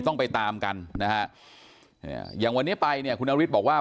ต้องไปตามกันนะฮะอย่างวันนี้ไปเนี่ยคุณนฤทธิ์บอกว่า